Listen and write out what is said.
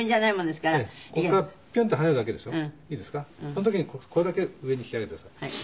その時にここだけ上に引き上げてください。